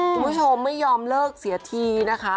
คุณผู้ชมไม่ยอมเลิกเสียทีนะคะ